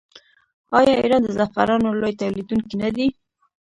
آیا ایران د زعفرانو لوی تولیدونکی نه دی؟